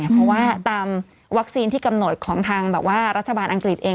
เพราะว่าตามวัคซีนที่กำหนดของทางรัฐบาลอังกฤษเอง